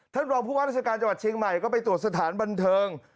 รองผู้ว่าราชการจังหวัดเชียงใหม่ก็ไปตรวจสถานบันเทิง